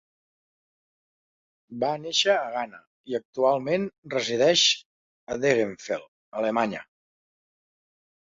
Va néixer a Ghana i actualment resideix a Degenfeld, Alemanya.